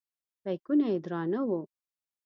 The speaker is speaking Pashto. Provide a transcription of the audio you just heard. بیکونه یې درانه وو.